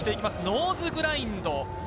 ノーズグラインド。